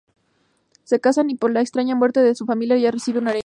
Se casan y por la extraña muerte de un familiar ella recibe una herencia.